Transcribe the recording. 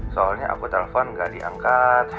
soalnya aku telpon gak diangkat